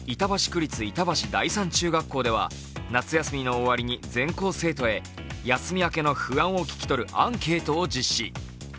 区立板橋第三中学校では夏休みの終わりに全国生徒へ、夏休みの不安を聴き取るアンケートを実施。